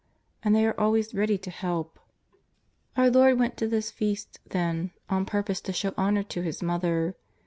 And they are always ready to help. Our Lord went to this feast, then, on purpose to show honour to His Mother.